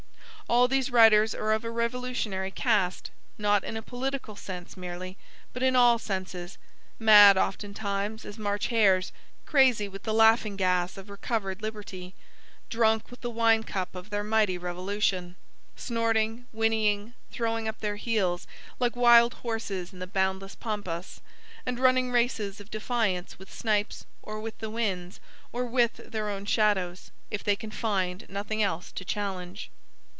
All these writers are of a revolutionary cast; not in a political sense merely, but in all senses; mad, oftentimes, as March hares; crazy with the laughing gas of recovered liberty; drunk with the wine cup of their mighty Revolution, snorting, whinnying, throwing up their heels, like wild horses in the boundless pampas, and running races of defiance with snipes, or with the winds, or with their own shadows, if they can find nothing else to challenge.